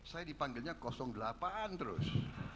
saya dipanggilnya delapan terus